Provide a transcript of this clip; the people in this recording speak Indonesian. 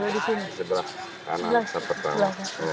di sebelah kanan sat pertama